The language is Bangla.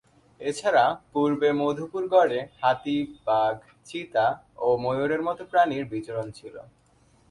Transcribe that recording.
এছাড়া, পূর্বে মধুপুর গড়ে হাতি, বাঘ, চিতা ও ময়ূরের মত প্রাণীর বিচরণ ছিল।